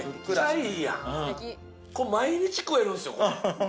毎日食えるんすよ、これ。